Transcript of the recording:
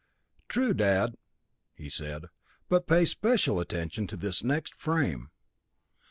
"True, Dad," he said, "but pay special attention to this next frame."